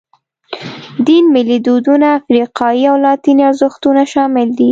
دین، ملي دودونه، افریقایي او لاتیني ارزښتونه شامل دي.